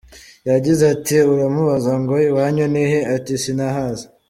Yagize ati : "Uramubaza ngo iwanyu ni he ? Ati :’sinahazi.